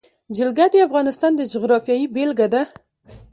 جلګه د افغانستان د جغرافیې بېلګه ده.